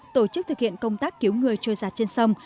tổ chức thực hiện công tác cứu người trôi giặt trên sông